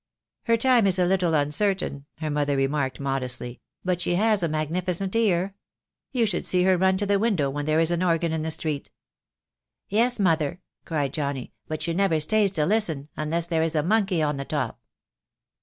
"Her time is a little uncertain," her mother remarked modestly; "but she has a magnificent ear. You should THE DAY WILL COME. 233 see her run to the window when there is an organ in the street." "Yes, mother," cried Johnny, "but she never stays to listen unless there is a monkey on the top."